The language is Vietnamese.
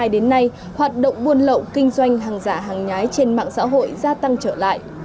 đến nay hoạt động buôn lậu kinh doanh hàng giả hàng nhái trên mạng xã hội gia tăng trở lại